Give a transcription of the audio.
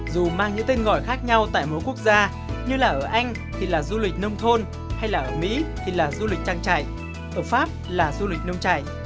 dù mang những tên gọi khác nhau tại mỗi quốc gia như là ở anh thì là du lịch nông thôn hay là ở mỹ thì là du lịch trang trại ở pháp là du lịch nông trại